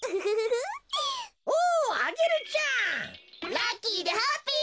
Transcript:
ラッキーでハッピー！